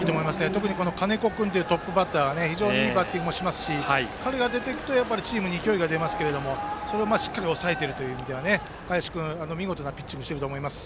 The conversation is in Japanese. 特に、金子君というトップバッターは非常にいいバッティングしますし彼が出るとチームに勢いが出ますけどそのまましっかり抑えているという面では林君、見事なピッチングをしていると思います。